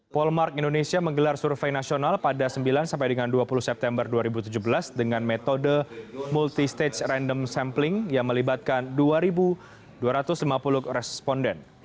polmark indonesia menggelar survei nasional pada sembilan sampai dengan dua puluh september dua ribu tujuh belas dengan metode multistage random sampling yang melibatkan dua dua ratus lima puluh responden